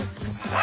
あ！